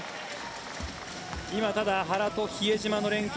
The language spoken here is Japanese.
今、原と比江島の連係